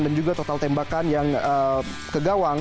dan juga total tembakan yang kegawang